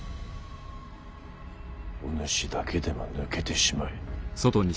おぬしだけでも抜けてしまえ。